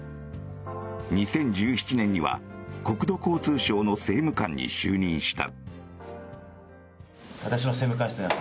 ２０１７年には国土交通省の政務官に就任した。